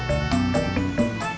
aku mau pulang